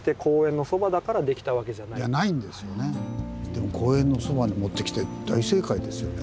でも公園のそばに持ってきて大正解ですよね。